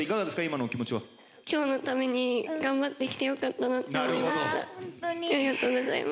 今のお気持ちは頑張ってきてよかったなって思いました